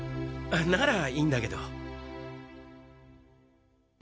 ならいいんだけど。